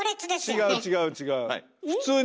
違う違う違う。